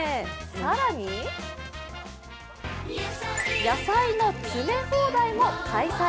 更に野菜の詰め放題も開催。